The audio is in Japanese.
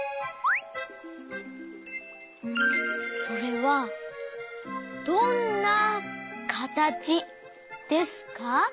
それはどんなかたちですか？